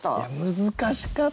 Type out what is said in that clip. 難しかった。